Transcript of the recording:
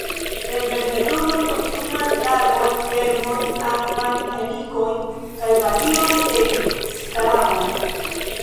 Senvertebruloj konsumas larvojn, vermojn, akvajn helikojn, kaj varion de skaraboj.